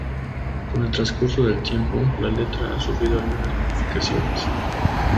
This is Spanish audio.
Con el transcurso del tiempo la letra ha sufrido algunas modificaciones.